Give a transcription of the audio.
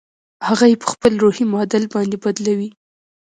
هغه يې په خپل روحي معادل باندې بدلوي.